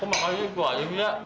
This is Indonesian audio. kok makan itu aja dia